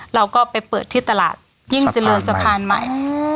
เราก็ไปเปิดที่ตลาดยิ่งเจริญสะพานใหม่